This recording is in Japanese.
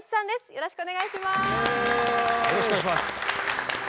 よろしくお願いします。